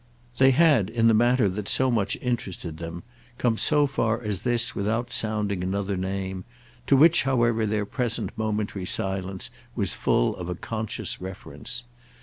They had, in the matter that so much interested them, come so far as this without sounding another name—to which however their present momentary silence was full of a conscious reference.